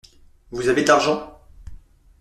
Vous avez de l’argent ?